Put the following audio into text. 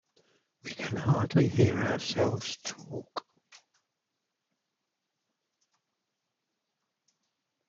We can hardly hear ourselves talk.